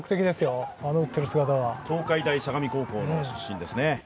東海大相模高校の出身ですね。